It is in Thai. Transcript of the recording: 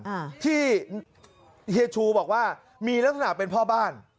อ่าที่เฮียชูบอกว่ามีลักษณะเป็นพ่อบ้าน